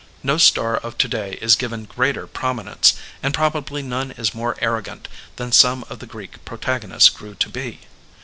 No star of to day is given greater prominence, and probably none is more arrogant than some of the Greek protagonists grew to be.